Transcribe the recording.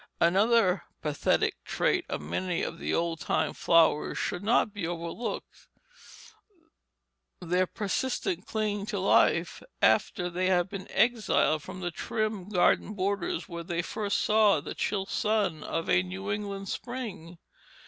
Another pathetic trait of many of the old time flowers should not be overlooked their persistent clinging to life after they had been exiled from the trim garden borders where they first saw the chill sun of a New England spring.